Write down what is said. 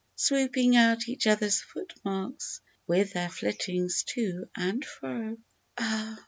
Sweeping out each other^s footmarks with their flit tings to and fro." Ah